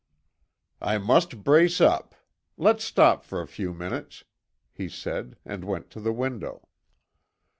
"I must brace up. Let's stop for a few minutes," he said and went to the window.